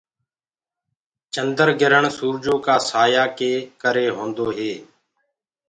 چنڊگِرڻ سوُرجو ڪآ سآيآ ڪي ڪري هوندو هي۔